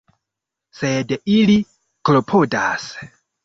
Sed ili klopodas.